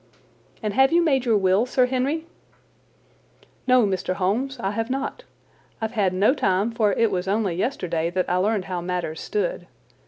"And have you made your will, Sir Henry?" "No, Mr. Holmes, I have not. I've had no time, for it was only yesterday that I learned how matters stood.